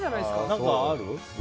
何かある？